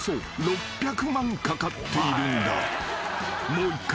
もう１回。